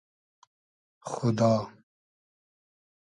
خودا